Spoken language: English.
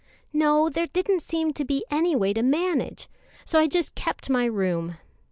"No; there didn't seem to be any way to manage, so I just kept my room.